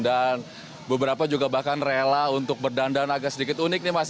dan beberapa juga bahkan rela untuk berdandan agak sedikit unik nih mas